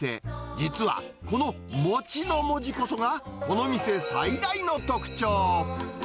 実は、この餅の文字こそが、この店最大の特徴。